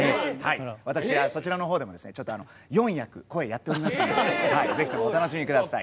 私はそちらのほうでもちょっと４役声やっておりますんでぜひともお楽しみ下さい。